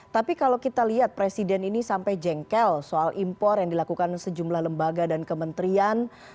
tapi kalau kita lihat presiden ini sampai jengkel soal impor yang dilakukan sejumlah lembaga dan kementerian